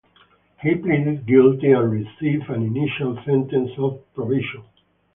He pleaded guilty and received an initial sentence of probation.